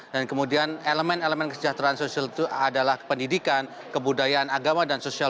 dan kemudian elemen elemen kesejahteraan sosial itu adalah pendidikan kebudayaan agama dan sosial